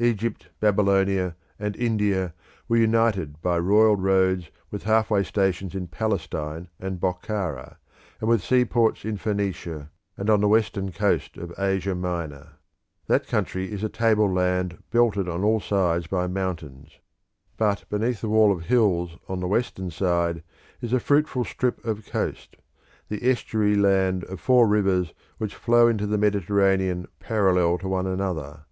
Egypt, Babylonia, and India were united by royal roads with half way stations in Palestine and Bokhara, and with seaports in Phoenicia, and on the western coast of Asia Minor That country is a tableland belted on all sides by mountains; but beneath the wall of hills on the western side is a fruitful strip of coast, the estuary land of four rivers which flow into the Mediterranean parallel to one another.